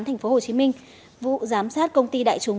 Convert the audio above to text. tp hcm vụ giám sát công ty đại chúng